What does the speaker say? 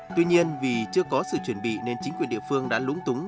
tuy nhiên vì chưa có sự chuẩn bị nên chính quyền địa phương đã lúng túng